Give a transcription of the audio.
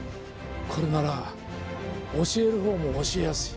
これなら教える方も教えやすい。